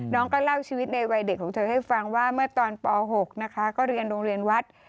น้องก็เล่าชีวิตในวัยเด็กของเธอให้ฟังว่าเมื่อตอนป๖นะคะก็เรียนโรงเรียนวัด